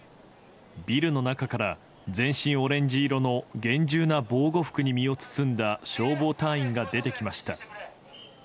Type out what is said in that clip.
ビルの中から、全身オレンジ色の厳重な防護服に身を包んだ消防隊員が出てきました。